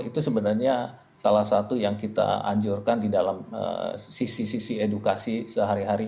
itu sebenarnya salah satu yang kita anjurkan di dalam sisi sisi edukasi sehari hari